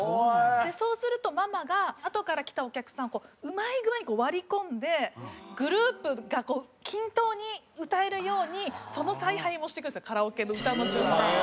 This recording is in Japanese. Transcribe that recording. そうするとママがあとから来たお客さんをうまい具合に割り込んでグループが均等に歌えるようにその采配もしてくれるんですよカラオケの歌の順番を。